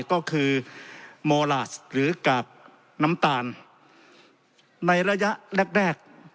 ก็คือโมลาสหรือกาบน้ำตาลในระยะแรกแรก